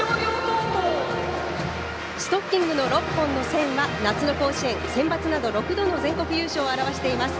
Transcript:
ストッキングの６本の線は夏の甲子園、センバツなど６度の全国優勝を表しています。